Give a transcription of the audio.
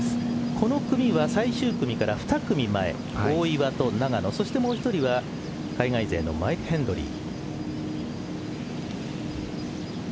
この組は最終組から２組前大岩と永野そしてもう１人は海外でのマイケル・ヘンドリー。